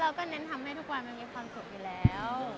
เราก็นันทำให้คนมีความสุขอยู่แล้ว